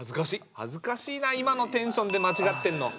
はずかしいな今のテンションでまちがってるの。